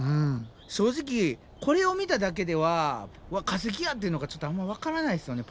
正直これを見ただけでは「わっ化石や！」っていうのがちょっとあんま分からないですよね